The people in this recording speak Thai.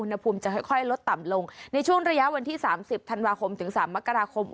อุณหภูมิจะค่อยลดต่ำลงในช่วงระยะวันที่๓๐ธันวาคมถึง๓มกราคม